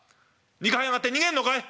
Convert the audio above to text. ２階上がって逃げんのかい！」。